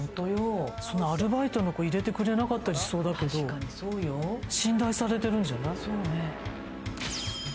そんなアルバイトの子、入れてくれなかったりしそうだけど、信頼されてるんじゃない？